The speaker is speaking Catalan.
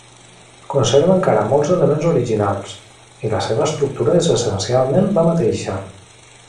Conserva encara molts elements originals, i la seva estructura és essencialment la mateixa.